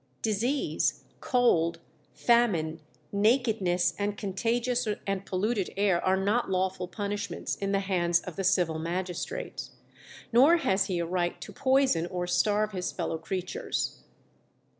"Disease, cold, famine, nakedness, and contagious and polluted air are not lawful punishments in the hands of the civil magistrates; nor has he a right to poison or starve his fellow creatures."